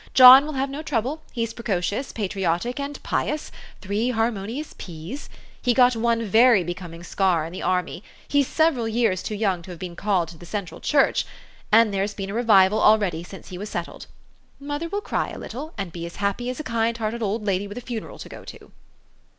John will hare no trouble : he's precocious, patriotic, and Dious, three harmonious p's. He got one very "becoming scar in the army. He's several years too young to have been called to the Central Church. And there's been a revival already since he was settled. Mother will cr} r a little, and be as happy as a kind hearted old lady with a funeral to go to."